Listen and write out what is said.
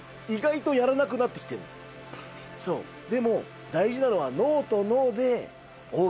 そうでも大事なのは。